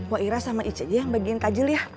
wak ira sama ica dia yang bagiin takjil ya